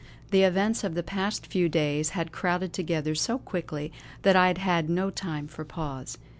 The events of the past few days had crowded together so quickly that I had had no time for pause.